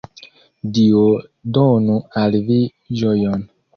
Dio donu al vi ĝojon.